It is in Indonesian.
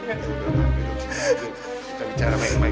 tidak apa apa kita bicara baik baik